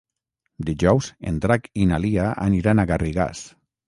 Dijous en Drac i na Lia aniran a Garrigàs.